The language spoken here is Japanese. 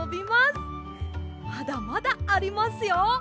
まだまだありますよ。